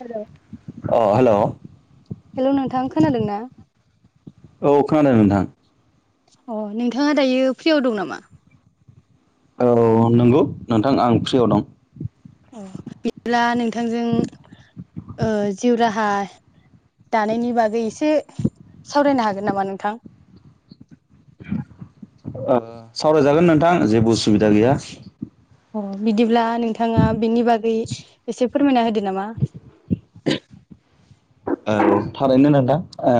हेल'। अ hello. Hello नोंथां खोनादों ना? औ खोनादों नोंथां। अ नोंथाङा दायो फ्रियाव दं नामा? औ नंगौ नोंथां आं फ्रियाव दं। अ बिदिब्ला नोंथांजों ओ जिउ राहा दानायनि बागै एसे सावरायनो हागोन नामा नोंथां? ओ सावरायजागोन नोंथां जेबो उसुबिदा गैया। अ बिदिब्ला नोंथाङा बिनि बागै एसे फोरमायना होदो नामा। औ थारैनो नोंथां ओ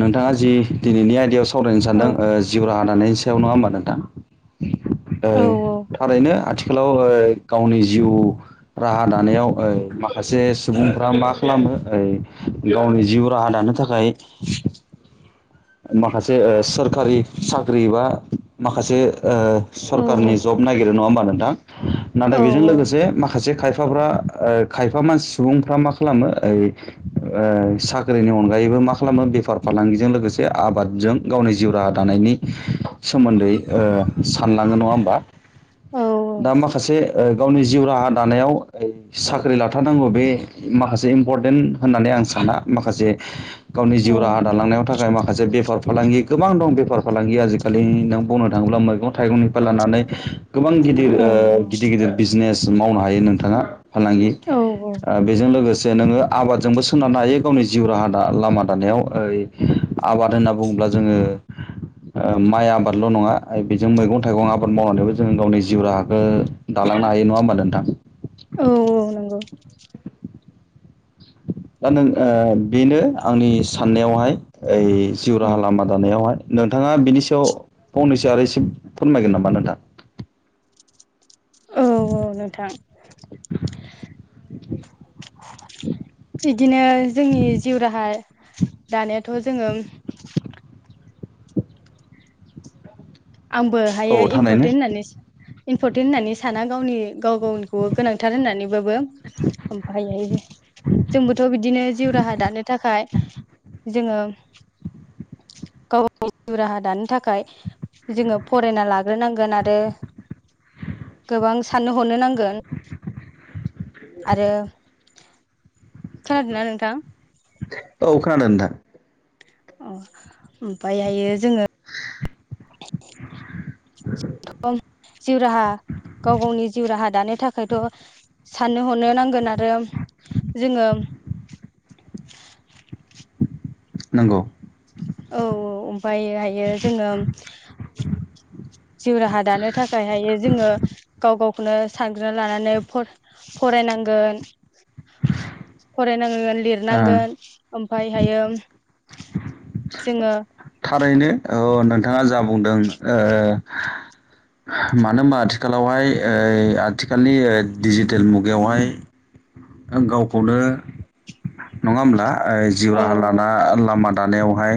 नोंथाङा जि दिनैनि आयदायाव सो सावरायनो सानदों औ जिउ राहा दानायनि सायाव नङा होमबा नोंथां? ओ औ थारैनो आथिखालाव ओ गावनि जिउ राहा दानायाव ओ माखासे सुबुंफ्रा मा खालामो ओ गावनि जिउ राहा दानो थाखाय माखासे ओ सोरखारि साख्रि बा माखासे ओ औ सरखारारनि जब नायागिरो नङा होमबा नोंथां? नाथाय औ बेजों लोगोसे माखासे खाय फाफ्रा खायफा मानसि सुबुंफ्रा मा खालामो ओ ओ साख्रिनि अनगायैबो मा खालामो बेफार फालांगिजों लोगोसे से आबादजों गावनि जिउ राहा दानायनि सोमोन्दै ओ सानलाङो नङा होमबा? औ दा माखासे ओ गावनि जिउ राहा दानायाव साख्रि लाथारनांगौ बे माखासे इम्परटेन्ट होननानै आं साना। माखासे गावनि जिउ राहा दालांनायाव थाखाय मा खासे बेफार फालांगि गोबां दं बेफार फालांगि आजिखालि नों बुंनो थाङोब्ला मैगं थाइगंनि लानानै गोबां गिदिर औ ओ गिदिर गिदिर बिजनेस मावनो हायो नोंथां। फालांगि औ ओ बेजों लोगोसे नोङो आबादजोंबो सोनार हायो गावनि जिउ राहा द लामा दानायाव ओ आबाद होनना बुङोब्ला जोङो ओ माइ आबादल' नङा बेजों मैगं थाइगं आबाद मावनानैबो जोो गावनि जिउ राहाखौ दालांनो हायो नङा होमबा नोंथां? औ औ नंगौ। दा नों ओ बेनो आंनि साननायावहाय ओइ जिउ राहा लामा दानायावहाय। नोंथाङा बिनि सायाव फंनैसो आरो इसे फोरमायगोन नामा नोंथां। औ औ नोंथां। [inaudible] बिदिनो जोंनि जिउ राहा दानायाथ' जोङो आंबो हायो औ थारैनो इम्परटेन्ट होननानै इम्परटेन्ट होननानै साना गावनि गाव गावनिखौ गोनांथार होननानैबाबो। ओमफायो। जोंबोथ' बिदिनो जिउ राहा दानो थाखाय जोङो गाव गावनि राहा दानो थाखाय जोङो फरायना लाग्रोनांगोन आरो गोबां साननो हनो नांगोन आरो खोनादोंना नोंथां? औ खोनादों नोंथां। अ ओमफायहायो जोङो [unintelligible] जिउ राहा गाव गावनि जिउ राहा दानो थाखायथ' साननो हनो नांगोन आरो जोङो नंगौ। औ औ ओमफ्राय हायो जोङो जिउ राहा दानो थाखाय हायो जोङो गाव गाव खौनो सानग्रोना लानानै फ-फरायनांगोन। फरायनांगोन लिर ओ नांगोन ओमफायहायो जोङो थारैनो औ नोंथाङा जा बुंदों ओ मानो होनबा आथिखालावहाय ओ आथिखालनि ओ डिजिटेल मुगायावहाय आं गावखौनो नङा होमब्ला जिउ औ राहा लाना लामा दानायावहाय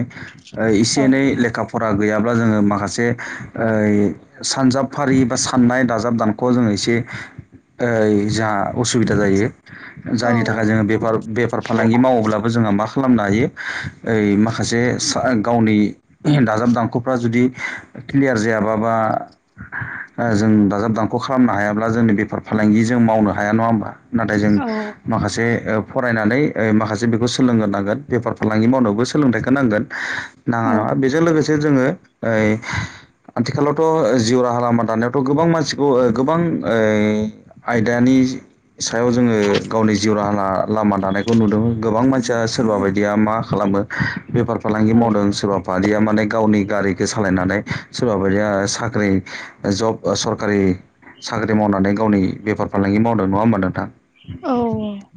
एसे औ एनै लेखा फरा गैयाब्ला जोङो माखासे ओइ सानजाबफारि बा साननाय दाजाब दानख' जोङो एसे ओइ जोंहा असुबिदा जायो औ जायनि थाखाय जोङो बेफोर बे मावोब्लाबो जोंहा मा खालामनो हायो ओइ माखासे गावनि दाजाब दांख'फ्रा जुदि क्लियार जायाबा बा जों दाजाब दानख' खालामनो हायाब्ला जोंनि बेफार फालांगि जों मावनो हाया नङा होमबा नाथाय जों माखासे फरायनानै ओ माखासे बेखौ सोलोंगोनांगोन बेफार फालांगि मावनोबो सोलोंथाइखौ नांगोन नाङा औ नङा बेजों लोगोसे से जोङो ओइ आथिखालावथ' जिउ राहा लामा दानायावथ' गोबां मानसिखौ गोबां ओइ आयदानि सायाव जोङो गावनि जिउ राहा लामा दानायखौ नुदों गोबां बां मानसिया सोरबा बायदिया मा खालामो बेफार फालांगि औ मावदों सोरबा बारिया माने गावनि गारिखौ सालायनानै सोरबा बायदिया साख्रि जब सरखारि साख्रि मावनानै गावनि बेफार फालांगि मावदों नङा होमबा नोंथां औ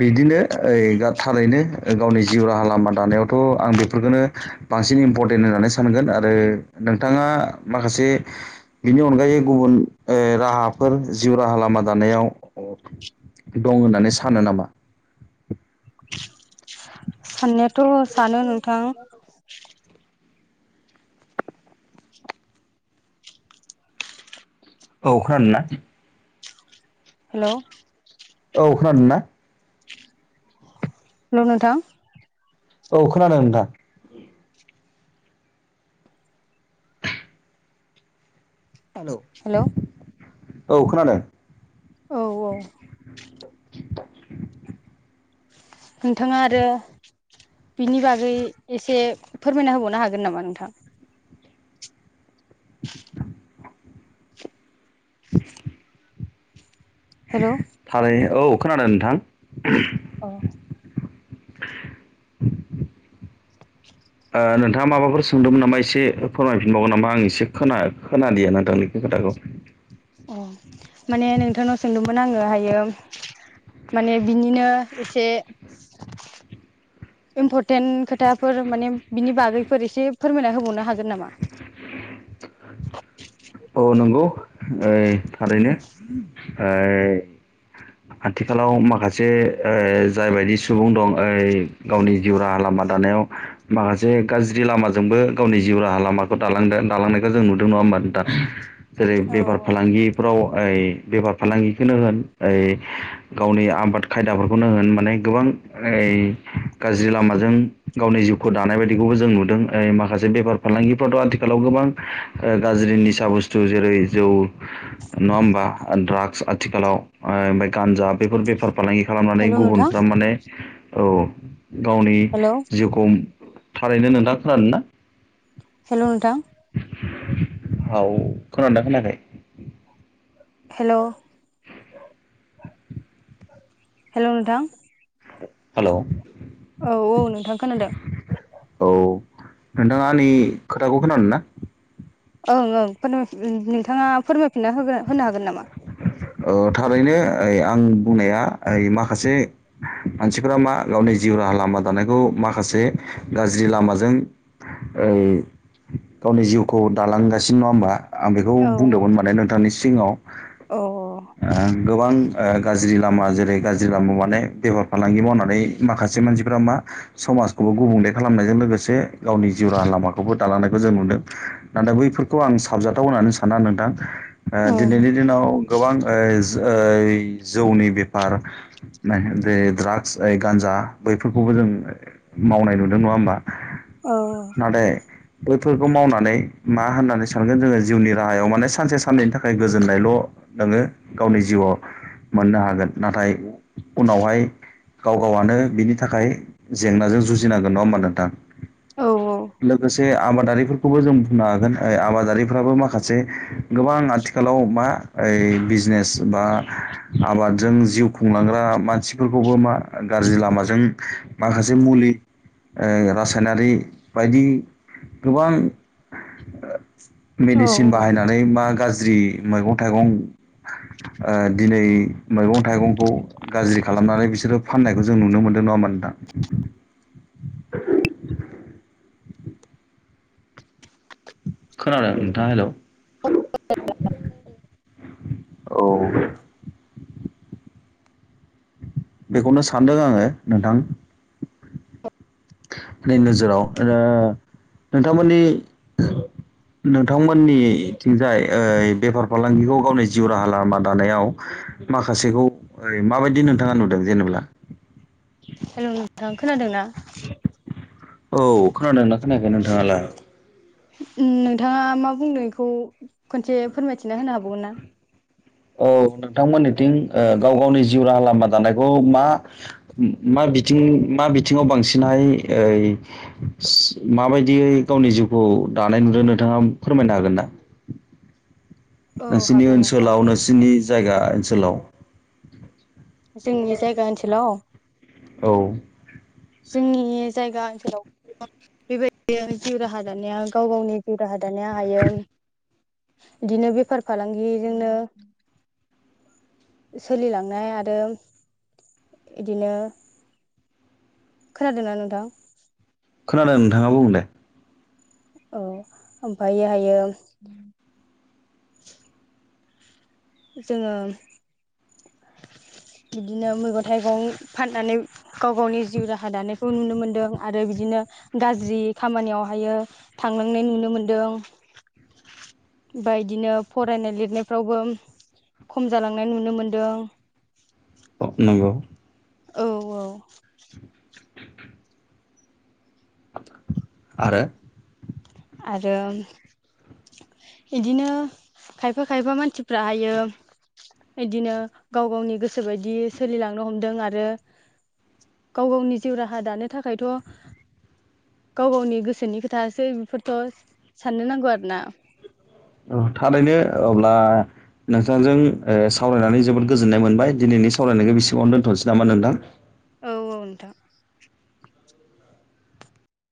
बिदिनो ओइ थारैनो गावनि जिउ राहा लामा दानायावथ' आं बेफोरखौनो बांसिन इम्परटेन्ट होननानै सानगोन आरो नोंथाङा माखासे बिनि अनगायै गुबुन ओ राहाफोर जिउ राहा लामा दानायाव दं होननानै सानो नामा साननायाथ' सानो नोंथां औ खोनादोंना? हेलौ औ खोनादों ना? हेलौ नोंथां औ खोनादों नोंथां हेलौ औ खोनादों औ औ नोंथाङा आरो बिनि बागै एसे फोरमायना होबावनो हागोन नामा नोंथां? [inaudible] हेल' थारै औ खोनादों नोंथां। औ ओ नोंथाङा माबाफोर सोंदोंमोन नामा एसे फोरमायफिनबावगोन नामा आं एसे खोना खोनादिया नोंथांनि खोथाखौ अ माने नोंथांनाव सोंदोंमोन आङो हायो माने बिनिनो एसे इम्परटेन्ट खोथाफोर माने बिनि बागैफोर एसे फोरमायना होबावनो हागोन नामा? औ नंगौ ओइ थारैनो ओइ आथिखालाव माखासे ओ जायबायदि सुबुं दं ओइ गावनि जिउ राहा लामा दानायाव माखासे गाज्रि लामाजोंबो गावनि जिउ राहा लामाखौ दालांदों दालांनायखौ जों नुदों नङा होमबा नोंथां? जेरै औ बेफार औ फालांगिफ्राव ओइ बेफार फालांगिखौनो होन ओइ गावनि आबाद खायदाफोरखौनो होन माने गोबां ओइ गाज्रि लामाजों गावनि जिउखौ दानाय बायदिखौबो जों नुदों ओ माखासे बेफार फालांगिफ्राावथ' आथिखालाव गोबां गाज्रि निसा बुस्थु जेरै जौ नङा होमबा ड्राग्स आथिखालाव। ओ ओमफाय गान्जा बेफोर बेफार फालांगि खालामनानै हेल' नोंथां गुबुनफ्रा माने औ गावनि हेल' जिउखौ थारैनो नोंथाङा खोनादों ना? हेल' नोंथां? औ खोनादोना खोनाखै? हेल' हेल' नोंथां? हेल' औ औ नोंथां खोनादों। औ नोंथाङा आंनि खोथाखौ खोनादोंना? ओं ओं फोर नोंथाङा फोरमायफिनना होग होनो हागोन नामा? ओ थारैनो ओइ आं बुंनाया ओइ माखासे मानसिफोरा मा गावनि जिउ राहा लामा दानायखौ माखासे गाज्रि लामाजों ओइ गावनि जिउखौ दालांगासिनो नङा होमबा। आं बेखौ बुंदोंमोन माने नोंथांनि सिङाव। अ अ। ओं गोबां ओ गाज्रि लामा जेरै गाज्रि लामा माने बेफार फालांगि मावनानै माखासे मानसिफ्रा मा समाजखौबो गुबुंले खालामनायजों लोगोसे गावनि जिउ राहा लामाखौबो दालांनायखौ जों नुदों। नाथाय बैफोरखौ आं साबजाथाव होननानै साना नोंथां ओ दिनैनि दिनाव गोबां ओज ओज जौनि बेफार [unintelligible] बे द्राग्स ओ गान्जा बैफोरखौबो जों मावनाय नुदों नङा होमबा? औ। नाथाय बोथोरखौ मावनानै मा होननानै सानगोन जोङो जिउनि राहायाव माने सानसे साननैनि थाखाय गोजोननायल' नोङो गावनि जिउआव मोननो हागोन नाथाय उनावहाय गाव गावनो बिनि थाखाय जेंनाजों जुजिनांगोन नङा होमबा नोंथां? औ औ। लोगोसे आबादारिफोरखौबो जों बुंनो हागोन ओ आबादारिफ्राबो माखासे गोबां आथिखालाव मा ओइ बिजनेस बा आबादजों जिउ खुंलांग्रा मानसिफोरखौबो मा गाज्रि लामाजों माखासे मुलि ओ रासायनारि बायदि गोबां मेडिसिन औ बाहायनानै बा गाज्रि मैगं थाइगं ओ दिनै मैगं थाइगंखौ गाज्रि खालामनानै बिसोरो फाननायखौ जों नुनो मोन्दों नङा होमबा नोंथां [unintelligible] खोनादों नोंथाङा हेलौ औ बेखौनो सानदों आङो नोंथां। आंनि नोजोराव ओ नोंथांमोननि नोंथांमोननिथिंजाय ओ बेफार फालांगिखौ गावनि जिउ राहा लामा दानायाव माखासेखौ ओ माबायदि नोंथाङा नुदों जेनेब्ला? हेल' नोंथां खोनादों ना? औ खोनादों ना खोनायाखै नोंथाङालाय ओम नोंथाङा मा बुंदों इखौ खनसे फोरमायथिना होनो हाबावगोन ना औ नोंथांमोननिथिं ओ गाव गावनि जिउ राहा लामा दानायखौ मा मा बिथिं मा बिथिङाव बांसिनहाय ओइ माबायदियै गावनि जिउखौ दानाय नुदों नोंथाङा फोरमायनो हागोन ना? औ नोंसोरनि हागोन नोंथां ओनसोलाव नोंसोरनि जायगा ओनसोलाव जोंनि जायगा ओनसोलाव औ जोंनि जायगा ओनसोलाव [unintelligible] बेबायदिनो जिउ राहा दानाया गाव गावनि जिउ राहा दानाया हायो बिदिनो बेफार फालांगिजोंनो सोलिलांनाय आरो इदिनो खोनादोंना नोंथां? खोनादों नोंथाङा बुं दे औ ओमफायो हायो [inaudible] जोङो बिदिनो मैगं थाइगं फाननानै गाव गावनि जिउ राहा दानायखौ नुनो मोन्दों आरो बिदिनो गाज्रि खामानियावहायो थांनांनाय नुनो मोनदों आमफाय इदिनो फरायनाय लिरनायफ्रावबो खम जालांनाय नुनो मोनदों नंगौ औ औ आरो आरो इदिनो खायफा खायफा मानसिफ्रा हायो इदिनो गाव गावनि गोसो बायदि सोलिलांनो हमदों आरो गाव गावनि जिउ राहा दानो थाखायथ' गाव गावनि गोसोनि खोथासो बेफोरथ' साननो नांगौ आरो ना ओ थारैनो अब्ला नोंथांजों ओ सावरायनानै जोबोद गोजोननाय मोनबाय दिनैनि सावरायनायखौ बेसेबांवनो दोनथ'नोसै नामा नोंथां औ औ नोंथां